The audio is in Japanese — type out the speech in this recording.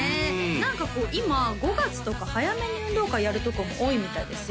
何かこう今５月とか早めに運動会やるとこも多いみたいですよ